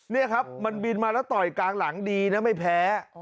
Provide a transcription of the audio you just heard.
นี่ครับมันบินมาแล้วต่อยกลางหลังดีนะไม่แพ้